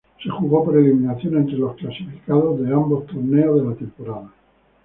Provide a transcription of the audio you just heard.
Se jugó por eliminación entre los clasificados de ambos torneos de la temporada.